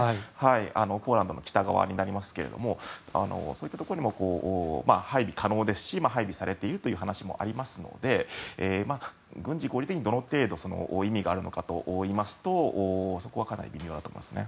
ポーランドの北側になりますけれどもそういったところにも配備可能ですし配備されているという話もありますので軍事的にどの程度意味があるのかといいますとそこはかなり微妙だと思います。